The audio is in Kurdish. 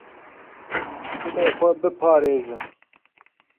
Dilê xwe biparêzin.